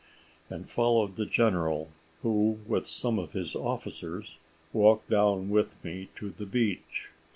and followed the general, who, with some of his officers, walked down with me to the beach.